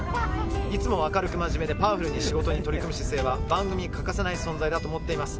いつも明るく真面目でパワフルに仕事に取り組む姿勢は番組に欠かせない存在だと思っています。